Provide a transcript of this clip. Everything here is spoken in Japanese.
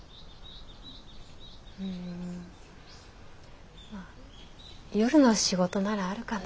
うん夜の仕事ならあるかな。